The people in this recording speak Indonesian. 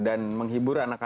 dan menghibur anak anak kita